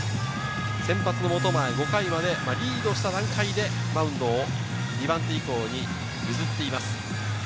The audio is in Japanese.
先発・本前、５回までリードした段階でマウンドを２番手以降に譲っています。